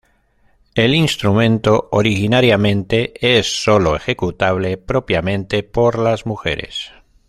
El instrumento originariamente es sólo ejecutable propiamente por las mujeres.